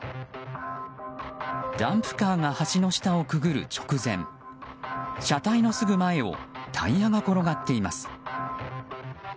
ダンプカーが橋の下をくぐる直前車体のすぐ前をタイヤが転がっています。